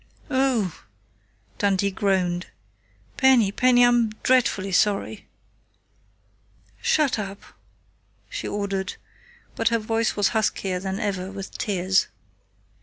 "Oh!" Dundee groaned. "Penny, Penny! I'm dreadfully sorry." "Shut up!" she ordered, but her voice was huskier than ever with tears.